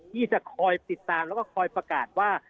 ที่จะคอยติดตามแล้วก็คอยประกาศว่า